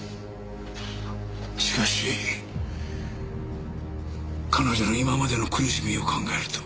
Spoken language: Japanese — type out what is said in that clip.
しかし彼女の今までの苦しみを考えると。